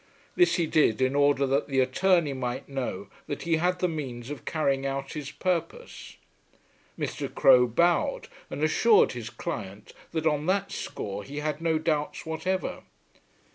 This he did in order that the attorney might know that he had the means of carrying out his purpose. Mr. Crowe bowed, and assured his client that on that score he had no doubts whatever.